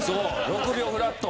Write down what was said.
６秒フラット。